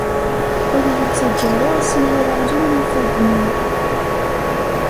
Ur iyi-ttaǧǧa ara Asmi ara ɣlin yifadden-iw.